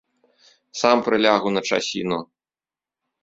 Сам прылягу на часіну.